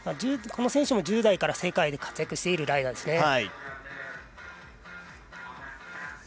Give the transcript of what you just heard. この選手も１０代から世界で活躍しているライダーです。